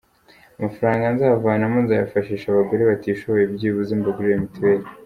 Amafaranga nzavanamo nzayafashisha abagore batishoboye, byibuze mbagurire mituweli”.